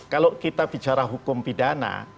kalau kita bicara hukum pidana